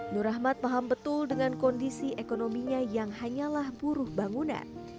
nur rahmat paham betul dengan kondisi ekonominya yang hanyalah buruh bangunan